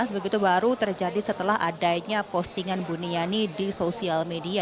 begitu baru terjadi setelah adanya postingan buniani di sosial media